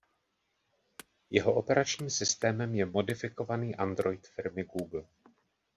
Jeho operačním systémem je modifikovaný Android firmy Google.